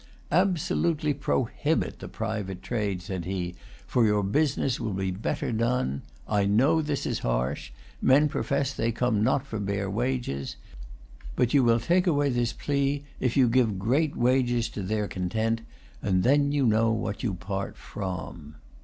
"Absolutely prohibit the private trade," said he; "for your business will be better done. I know this is harsh. Men profess they come not for bare wages. But you will take away this plea if you give great wages to their content; and then you know what you part from."